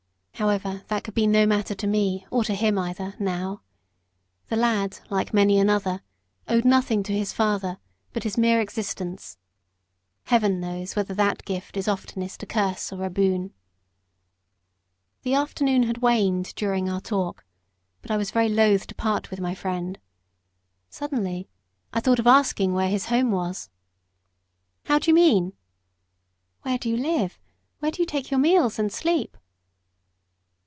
However, that could be no matter to me, or to him either, now. The lad, like many another, owed nothing to his father but his mere existence Heaven knows whether that gift is oftenest a curse or a boon. The afternoon had waned during our talk; but I was very loth to part with my friend. Suddenly, I thought of asking where his home was. "How do you mean?" "Where do you live? where do you take your meals and sleep?"